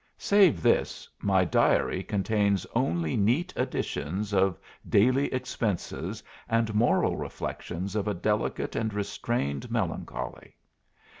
Save this, my diary contains only neat additions of daily expenses, and moral reflections of a delicate and restrained melancholy.